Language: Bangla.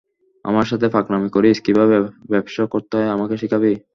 আমার সাথে পাকনামি করিস, কিভাবে ব্যবসা করতে হয় আমাকে শিখাবি?